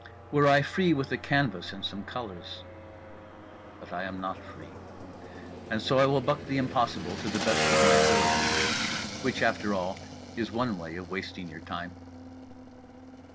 Were I free with a canvas and some colours … but I am not free. And so I will buck the impossible to the best of my ability. Which, after all, is one way of wasting your time.